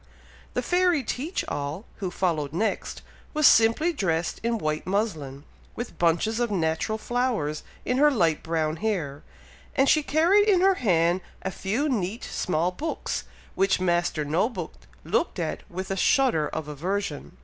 The fairy Teach all, who followed next, was simply dressed in white muslin, with bunches of natural flowers in her light brown hair, and she carried in her hand a few neat small books, which Master No book looked at with a shudder of aversion.